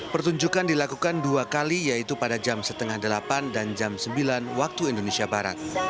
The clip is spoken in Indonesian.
pertunjukan dilakukan dua kali yaitu pada jam setengah delapan dan jam sembilan waktu indonesia barat